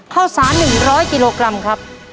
ข้าวสาร๑๐๐กิโลกรัมครับ